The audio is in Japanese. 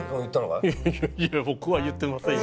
いやいやぼくは言ってませんよ。